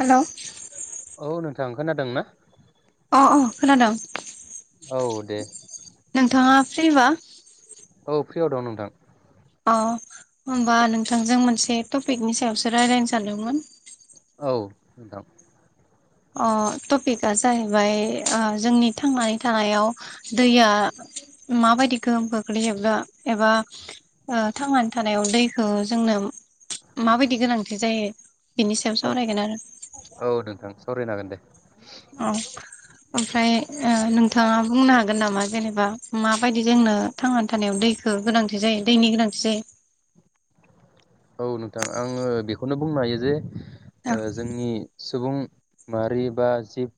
Hello औ नोंथां खोनादों ना? अ अ खोनादों। औ दे नोंथाङा फ्रिबा? औ फ्रियाव दं नोंथां अ होनबा नोंथांजों मोनसे टपिकनि सायावसो रायज्लायनो सानदोंमोन। औ नोंथां अ टपिकआ जाहैबाय ओ जोंनि थांनानै थानायाव दैया माबायदि गोहोम खोख्लैयो बा एबा ओ थांनानै थानायाव दैखौ जोंनो माबायदि गोनांथि जायो बिनि सायाव सावरायगोन आरो राय जागोन दे औ ओमफ्राय ओ नोंथाङा बुंनो हागोन नामा जेनेबा माबायदि जोंनो थांनानै थानायाव दैखो गोनांथि जायो दैनि गोनांथि जायो? औ नोंथां आङो बेखौनो बुंनो हायो जे ओ औ जोंनि सुबुं माहारि बा जिब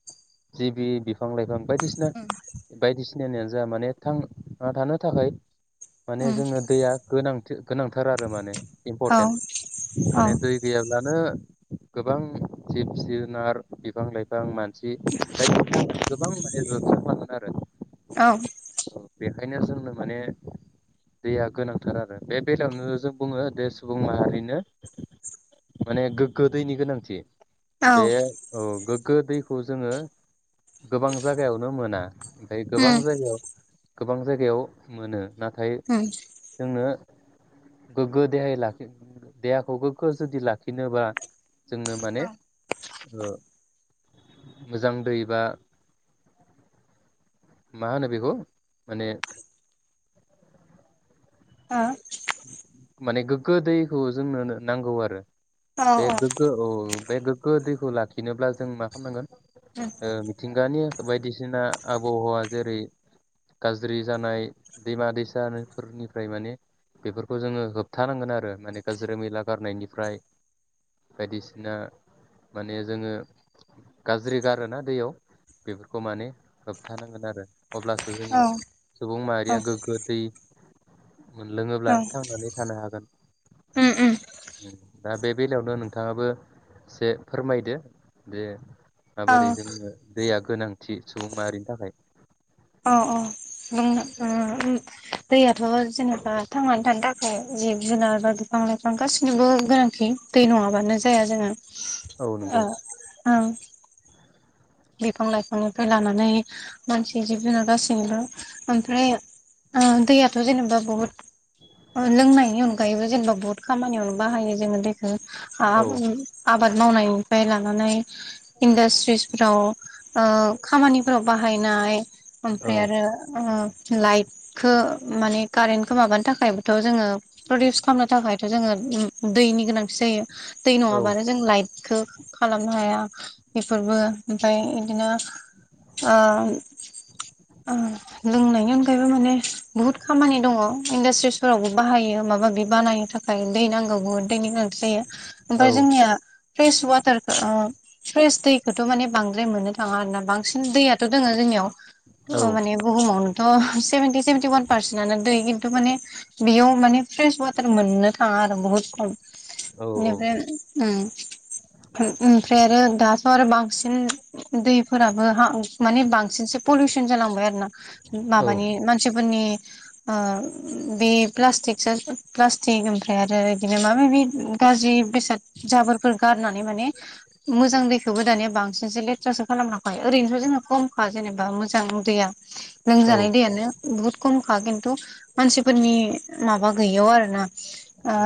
जिबि बिफां लाइफां बायदिसिना बायदिसिनायानो जा माने थां थानो थाखाय माने उम जोंनो दैया गोनांथि गोनांथार आरो माने औ इम्पर्टेन्ट माने दै औ गैयाब्लानो गोबां जिब जुनार, बिफां लाइफां, मानसि बायदिसिना माने गोबां माने जालांगोन आरो। औ बेखायनो जोंनो माने दैया गोनांथार आरो बे बेलायावनो जों बुङो बेे सुबुं माहारिनो माने गोग्गो दैनि गोनांथि। बे औ औ गोग्गो गो दैखौ जोङो गोबां जायगायावनो मोना। गोबां उम जायगायाव गोबां जायगायाव मोनो। नाथाय उम जोंनो गोग्गो देहायै लाखि देहाखौ गोग्गो जुदि लाखिनोबा जोंनो औ माने मोजां दै बा मा होनो बेखौ माने औ माने गोग्गो दैखौ जोंनो नांगौ आरो औ बे गोग्गो औ बे गोग्गो दैखौ लाखिनोब्ला जों मा खालामनांगोन मिथिंगानि बायदिसिना आबहावा जेरै गाज्रि जानाय दैमा दैसाफोरनिफ्राय माने बेफोरखौ जोङो होबथानांगोन आरो माने गाज्रि मैला गारनायनिफ्राय बायदिसिना माने जोङो गाज्रि गारोना दैयाव बेफोरखौ माने होबथानांगोन आरो अब्लासो जोङो औ सुबुं औ माहारिया गोग्गो दै लोङोब्ला औ थांनानै थानो हागोन उम उम दा बे बेलायावनो नोंथाङाबो एसे फोरमायदो जे औ माबोरै जोंनो दैया गोनांथि सुबुं माहारिनि थाखाय औ औ बुंनो उम दैयाथ' जेनेबा थांनानै थानो थाखाय जिब जुनार बा बिफां लाइफां गासिनिबो गोनांथि दै नङाबानो जाया जोङो औ नंगौ औ बिफां लाइफांनिफ्राय लानानै मानसि जिब जुनार गासिबो ओमफ्राय आ दैयाथ' जेनेबा बुहुद लोंनायनि अनगायैबो जेनेबा बुहुत खामानियावनो बाहायो जोङो दैखौो आ औ आबाद मावनायनिफ्राय लाना नानै इडासट्रिस ओ खामानिफोराव बाहायनाय ओमफ्राय औ आरो ओ लाइटखो माने कारेन्टखौ माबानो थाखायबोथ' जोङो प्रडिउस खालामनो थाखाय थ' जोङो दैनि गोनांथि जायो। दै औ नङाबानो जों लाइट खो खालामनो हाया बेफोरबो ओमफ्राय बिदिनो आ लोंनायनि अनगायैबो माने बुहुत खामानि दङ इन्डासट्रिसफोरावबो बाहायो माबा माबि बानायनो थाखाय दै नांगौबो दैनि गोनांथि जायो। ओमफ्राय जोंनिया फ्रेस वाटारखो ओ फ्रेस दैखौथ' माने बांद्राय मोननो थाङा दां बांसिन दैयाथ' दोङो जोंनियाव औ माने बुहुमाव थ' सेभेन्टि सेभेन्टि ववान पारसेन्टनो दै खिन्थु माने बेयाव माने फ्रेस ववाटार मोननो थाङा आरो बुहुत खम औ बिनिफ्राय उम ओमफ्राय आरो दाथ' आरो बां सिन दै फोराबो हा माने बांसिनसो पलुसन जालांबाय आरो ना माबानि मानसिफोरनि आ बे प्लास्टिक जों प्लास्टिक ओमफ्राय आरो बिदिनो माबा माबि गाज्रि बेसाद जाबोरफोर गारनानै माने मोजां दैखौबो दानिया बांसिनसो लेथ्रासो खालाम लांबाय ओरैनोथ' जोङो खमखा जेनेबा मोजां दैैया औ लोंजानाय दैयानो बुहुत खमखा खिनथु मानसिफोरनि माबा गैयाव आरो ना ओ औ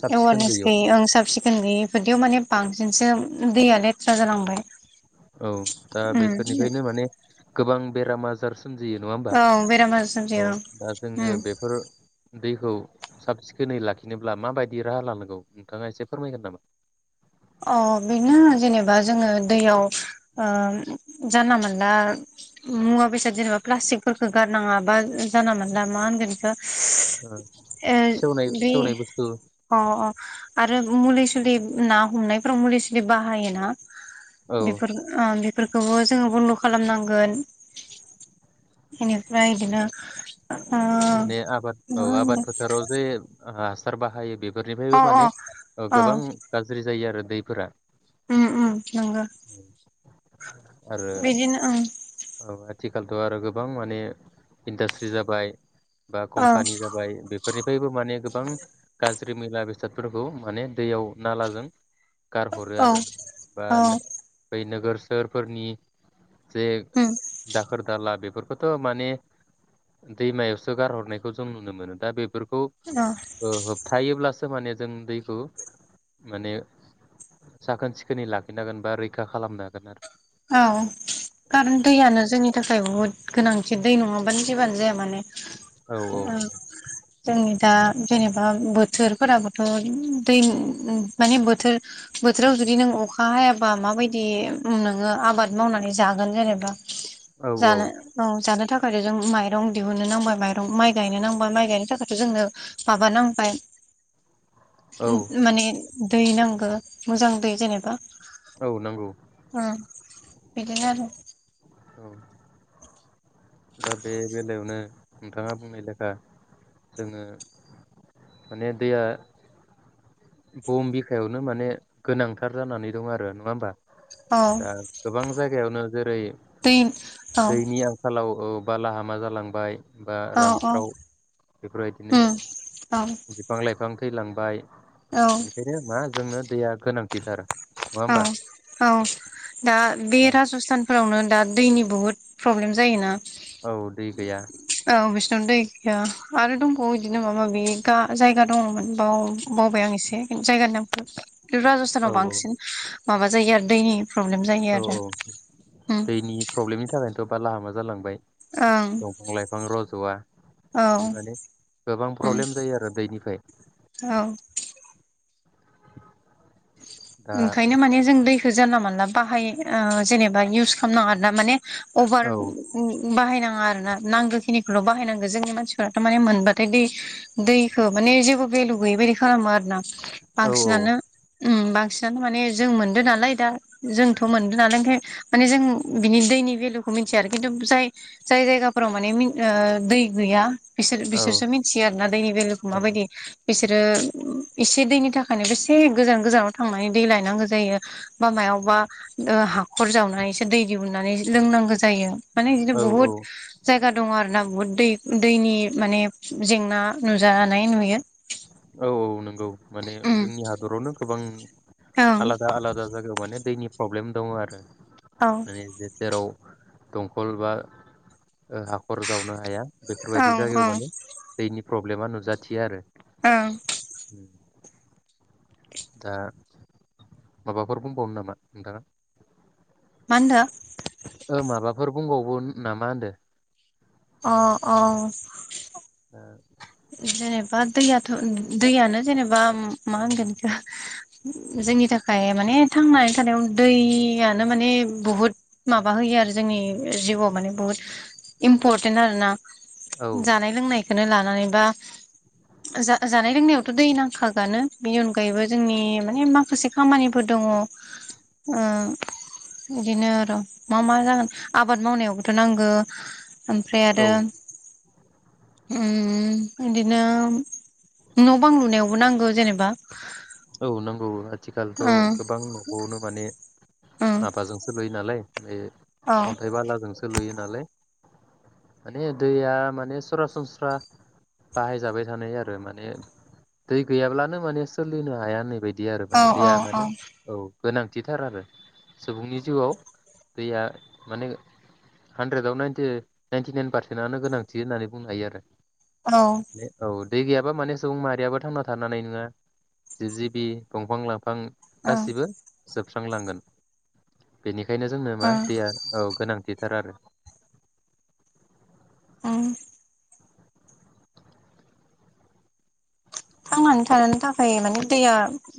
साब सिखोन एवारनेस गैयियाव गैैयाव साबसि गैयैफोरदियाव माने बांसिनसो दैया लेथ्रा जालांबाय औ दा उम बेफोरनिफ्रायनो माने गोबां बेराम आजार सोमजियो नङा होमबा औ बेराम आजार औ सोमजियो दा जोङो ओम बेफोर दैखौ साब सिखोनै लाखिनोब्ला माबायदि राहा लानांगौ नोंथाङा एसे फोरमायगोन नामा? अ बेनो जेनेबा जोङो दैयाव ओम जानला मोनला मुवा बेसाद जेनेबा प्लास्टिकफोरखौ गारनाङा बा जाना मोनला मा होनगोन इखो ओ सेवनाय बे सेवनाय बुस्थु अ अ आरो मुलि सुलि ना [unintelligible] हमनायफ्राव मुलि सुलि बाहायोना औ बेफोर आ बे फोरखौबो जोङो बन्द' खालामनांगोन बेनिफ्राय बिदिनो माने आबाद औ आबाद फोथाराव जे फोर बाहाय बे अ गोदनिफ्रायबो अ माने औ गोबां गाज्रि जायो आरो दैफोरा उम उम नंगौ आरो बिदिनो ओं औ आथिखालथ' आरो गोबां माने इन्डास्ट्रि जाबाय बा औ कम्पानि जाबाय बे फोरनिफ्रायबो माने गोबां गाज्रि मैला बेसादफोरखौ माने दैयाव नालाजों गारहरो औ आरो बा औ बै नोगोर सोहोरफोरनि जे उम दाखोर दाला बेफोर खौथ' माने दैमायावसो गारहरनायखौ जों नुनो मोनो दा बे फोरखौ औ होबथायब्लासो फोर माने जों दैखौ माने साखोन सिखोनै लाखिनो हागोन बा रैखा खालामनो हागोन। औ खारन दैयानो जोंनि थाखाय बहुत गोनांथि दै नङाब्ला बानखि जेबोआनोजाया माने आरो जोंनि दा जेनेबा बोथोरफोराबोथ' दै माने बोथोर बोथोराव जुदि नों अखा हायाबा माबायदि नों नोङो आबाद मावनानै जागोन जेनेबा औ जानो औ जानो थाखाय ओरोय जों माइरं दिहुननो नांबाय माइरं माइ गायनो नांबाय माइ गायनो थाखायथ' जोंनो माबा नांबाय औ उम माने दै नांगो मोजां दै जेनेबा औ नांगौ। उम बिदिनो आरो औ दा बे बेलायावनो नोंथाङा बुंनाय लेखा जोङो माने दैया बुहुम बिखायावनो माने गोनांथार जानानै दं आरो। नङा होमबा? औ दा गोबां जायगायावनो जेरै दै औ औ औ बालाहामा जालांबाय बा औ औ रानस्राव बेफोरबायदिनो उम औ बिफां लाइफां थैलांबाय औ बेनिखायनो मा जोंनो दैया गोनां थिथार। औ औ दा बे राजस्थान फोरावनो दा दैनि बुहुद प्रब्लेम जायोना औ दै गैया या आरो दंबावो इदिनो माबा माबि गा जायगा दङमोन बाव बावबाय आं एसे जायगानि नामखो। राजस्थानाव औ औ बांसिन माबा जायो आरो दैनि प्रब्लेम जायो औ आरो। औ उम ला हामा जालांबाय। ओं दंफां लाइफां रज'वा औ बिदि माने गोबां उम प्रब्लेम जायो आरो दैनिफाय औ दा ओंखायनो माने जों दै खो जानला मोनानला बाहाय ओ जेनेबा इउस खालामनो नाङा आरोना माने अबार औ उम बाहायना नाङा आरो ना नांगौ खिनिखौल' बाहायनांगो जोंनि मानसिफोराथ' माने मोनबाथाय दै दैखो माने जेबो भेलु गैयै बायदि खालामो आरो ना। औ बांसिनानो उम बांस सिनानो माने जों मोनदो नालाय दा जोंथ' मोनदों नालाय ओंखायनो माने जों बिनि दैनि भेलुखौ मिथिया आरो खिन्थु जाय जाय जायगाफोराव माने मिन ओ दै गैया बिसोर औ बिसोरसो मिनथियो आरो ना दैनि भलुखौ औ माबायदि। बिसोरो एसे दैनि थाखायनो बेसे गोजान गोजानाव थांनानै दै लायनांगो जायो बा मायावबा ओ हाखर जावनानैसो दै दिहुननानै लोंनांगो जायो माने इदिनो औ औ बुहुत जायगा दङ आरोना बुहुत दै दैनि माने जेंना नुजानाय नुयो। औ नंगौ औ माने उम जोंनि हादरावनो गोबां ओं आलादा आलादा जागायाव माने दैनि प्रब्लेम दङ आरो औ माने जे से राव दंखल बा ओ हाखर जावनो हाया बेफोरबायदि ओं जायगायाव ओं माने दैनिफ्राय प्रब्लेमा नुजाथियो आरो ओं उम दा माबाफोर बुंबावनो नामा नोंथाङा? मा होनदों ओ माबाफोर बुंबावो नामा होनदो अ अ [inaudible] जेनेबा दैयाथ' दैयानो जेनेबा मा होनगोन एखौ जोंनि थाखाय माने थांनानै थानायाव दैयानो माने बुहुत माबा होयो आरो जोंनि जिउआव माने बुहुत इम्परटेन्ट आर ना औ जानाय लोंनाय बेखौनो लानानै जानाय लोंनायावथ दै नांखागौआनो बिनि अनगायैबो जोंनि माखासे खामानिफोर दङ ओ बिदिनो र' मा मा जागोन आबाद मावनायावबोथ' नांगौ ओमफ्राय आरो औ उम इदिनो न' बां लुनायावबो नांगौ जेनेबा औ नांगौ आथिखालथ' ओं गोबां न'खौनो माने ओं माबाजोंसो लुयो नालाय बे औ अन्थाइ बालाजोंसो लुयो नालाय माने दैया माने सरासनस्रा बाहायजाबाय थानाय आरो माने दै गैयाब्लानो माने सोलि नो हाया होननायबायदि दै आरो औ माने औ दैया माने औ गोनांथिथार आरो सुबुंनि जिउआव दैया माने हानद्रेदाव नाइनटि नाइनटि नाइन पारसेन्टनो गोनांथि होननानै बुंनो हायो आरो औ औ दै गैयाबा माने सुबुं माहारियाबो थांना थानो हानाय नोङा जिब जिबि दंफां लाइफां औ गासिबो जोबस्रांलांगोन बेनिखायनो खायनो जोंनो औ मा दैया औ गोनांथि थिथार आरो। उम थांनानै थानो थाखाय माने दैया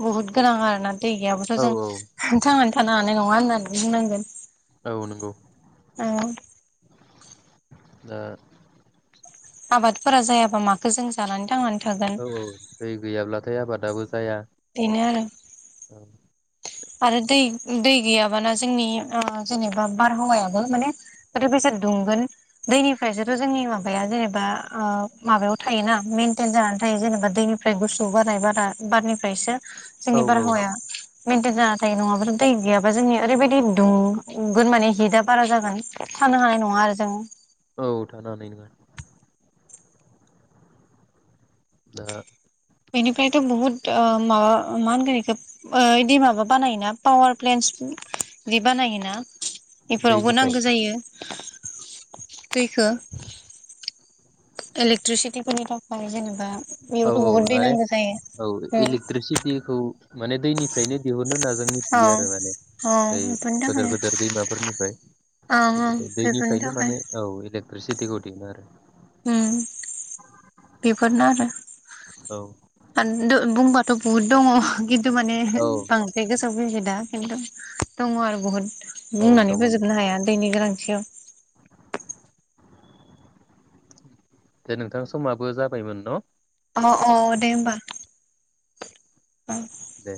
बुहुत गोनां आरोना दै औ गैयाब्लाथ' जों औ थांनानै थानो ह हानाय नङा होननानै बुंनांगोन औ नंगौ औ दा आबादफोरा जायाबा माखो जों जानानै थांनानै थागोन औ औ दै गैयाब्लाथाय आबादाबो जाया बेनो आरो आरो दै दै गैयाबाना जोंनि ओ जेनेबा बारहावायाबो माने ओरैबायसा दुंगोन दैनिफ्रायसोथ' जोंनि माबाया जेनेबा ओ माबायाव थायोना मेनटेन जानानै थायो जेनेबा दैनिफ्राय गुसु बारनाय बारा बारनिफ्रायसो औ जोंनि औ बारहावाया मेेनटेन जाना थायो नङाब्ला दै गैयाबा जोंनि ओरैबायदि दुंगोन माने हिटआ बारा जागोन थानो हानाय नङा आरो जों औ थानो हानाय नङा दा बेनिफ्रायथ' बहुद ओ माबा मा होनगोन बेखौ ओ इदि माबा बानायोना पावार प्लेेनस बिदि बानायोना बेफोरावबो दैनिफ्राय नांगौ जायो दैखो इलेक्ट्रिसिटिफोरनि थाखाय जेनेबा औ बेयावथ' औ बहुद दै माने नांगौ जायो औ उम इलेक्ट्रिसिटिखौ माने दैनि फ्रायनो दिहुननो होनना जों औ मिथियो आरो माने औ बै बेफोरनि थाखाय गोदोर गोदोर दैमाफोरनिफ्राय ओं ओं बिफ्राय बेफोरनि दैनिफ्रायनो थाखाय माने औ इले ट्रिसिथिखौ दिहुनो आरो उम बेफोरनो आरो औ आ द बुंबाथ बहुत दङ' गि थु माने औ बांद्राय [unintelligible] दङ' आरो बुहुत औ बुंनानै दङ फोजोबनो हाया दैनि गोनांथियाव दे नोंथां समाबो जाबायमोन न' अ अ दे होमबा दे